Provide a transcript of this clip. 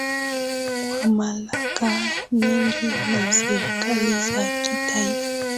kwa mamlaka nyingi na serikali za kitaifa